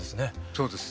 そうです。